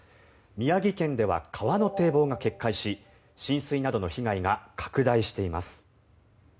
宮城県では川の堤防が決壊し浸水などの被害が拡大しています。